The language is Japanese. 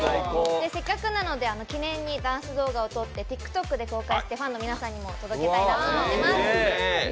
せっかくなので記念にダンス動画を撮ってＴｉｋＴｏｋで公開してファンの皆さんにも届けたいなと思います。